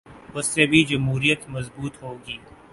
اس سے بھی جمہوریت مضبوط ہو گی۔